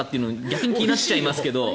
逆に気になっちゃいますけど。